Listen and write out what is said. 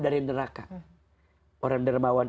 dari neraka orang dermawan